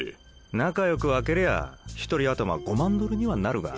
仲良く分けりゃ一人頭５万ドルにはなるが。